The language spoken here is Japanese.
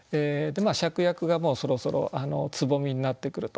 芍薬がもうそろそろ蕾になってくると。